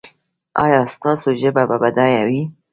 ایا ستاسو ژبه به بډایه وي؟